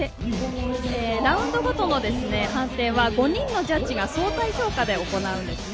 ラウンドごとの判定は５人のジャッジが相対評価で行うんですね。